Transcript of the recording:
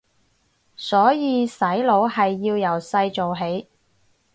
所以洗腦係要由細做起